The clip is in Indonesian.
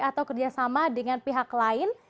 atau kerjasama dengan pihak lain